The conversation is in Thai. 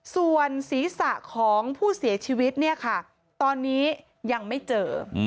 ส่วนศีรษะของผู้เสียชีวิตเนี่ยค่ะตอนนี้ยังไม่เจอ